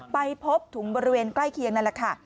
ไปพบถุงบริเวณใกล้เคียงนั่นแหละค่ะ